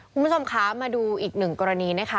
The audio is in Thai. คุณผู้ชมคะมาดูอีกหนึ่งกรณีนะคะ